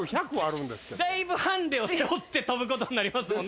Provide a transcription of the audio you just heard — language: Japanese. だいぶハンデを背負って飛ぶことになりますもんね。